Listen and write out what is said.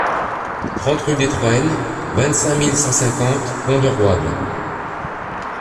trente rue des Troênes, vingt-cinq mille cent cinquante Pont-de-Roide